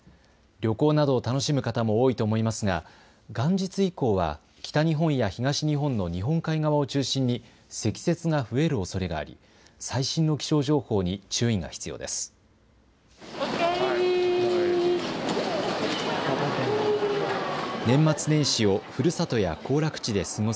旅行などを楽しむ方も多いと思いますが元日以降は北日本や東日本の日本海側を中心に積雪が増えるおそれがあり最新の気象情報に注意が必要です。